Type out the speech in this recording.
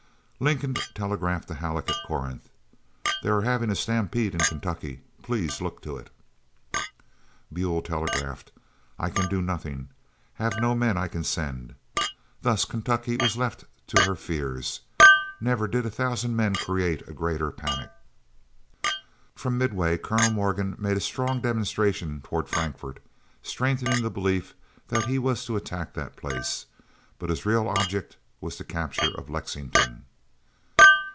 Lincoln telegraphed to Halleck at Corinth: "They are having a stampede in Kentucky. Please look to it." Buell telegraphed: "I can do nothing. Have no men I can send." Thus Kentucky was left to her fears. Never did a thousand men create a greater panic. From Midway Colonel Morgan made a strong demonstration toward Frankfort, strengthening the belief that he was to attack that place, but his real object was the capture of Lexington.